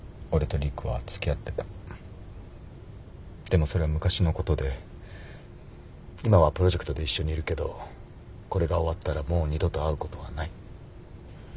でもそれは昔のことで今はプロジェクトで一緒にいるけどこれが終わったらもう二度と会うことはない。